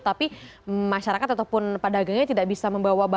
tapi masyarakat ataupun pedagangnya tidak bisa membawa barang